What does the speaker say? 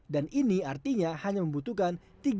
dan ini artinya hanya membutuhkan